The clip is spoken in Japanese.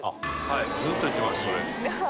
ずっと言ってますそれ。